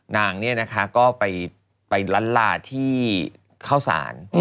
นางเนี่ยนะคะก็ไปล้านลาที่เข้าสาร